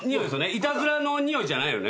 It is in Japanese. イタズラのにおいじゃないよね？